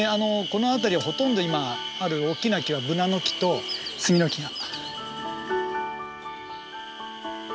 この辺りはほとんど今ある大きな木はブナの木とスギの木が。